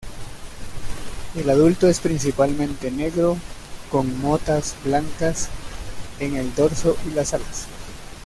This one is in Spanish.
El adulto es principalmente negro con motas blancas en el dorso y las alas.